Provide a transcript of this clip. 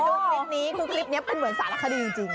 คลิปนี้คือคลิปนี้เป็นเหมือนสารคดีจริง